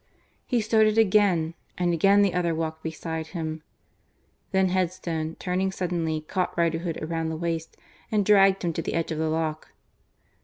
He started again, and again the other walked beside him. Then Headstone, turning suddenly, caught Riderhood around the waist and dragged him to the edge of the lock.